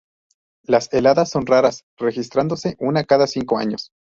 Las heladas son raras, registrándose una cada cinco años.